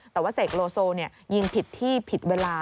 แต่ว่าเสกโลโซยิงผิดที่ผิดเวลา